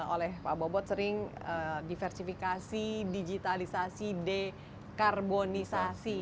oleh pak bobot sering diversifikasi digitalisasi dekarbonisasi